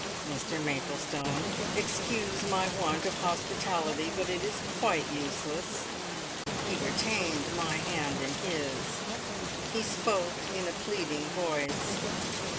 "Mr Maplestone, excuse my want of hospitality, but it is quite useless." He retained my hand in his; he spoke in a pleading voice.